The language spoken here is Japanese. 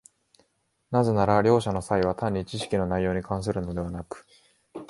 なぜなら両者の差異は単に知識の内容に関するのでなく、